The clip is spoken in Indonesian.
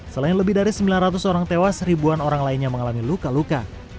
selain lebih dari sembilan ratus orang tewas ribuan orang lainnya mengalami luka luka